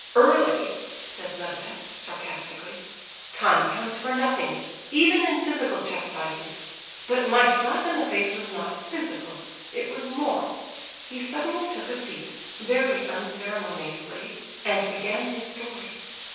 "Early?" said Lebedeff, sarcastically. "Time counts for nothing, even in physical chastisement; but my slap in the face was not physical, it was moral." He suddenly took a seat, very unceremoniously, and began his story.